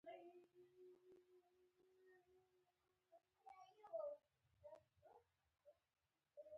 غوږونه د امید ژبه ده